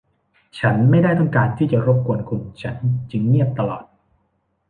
ฉันไม่ได้ต้องการที่จะรบกวนคุณ ฉันจึงเงียบตลอด